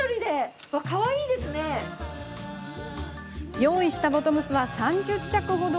用意したボトムスは３０着ほど。